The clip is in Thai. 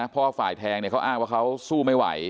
ฝ่ายแทงเขาอ้างว่าเขาสู้ไม่ไหว